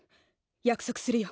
約束するよ！